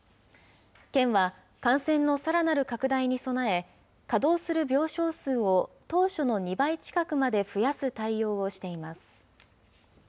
県は、感染のさらなる拡大に備え、稼働する病床数を当初の２倍近くまで増やす対応をしています。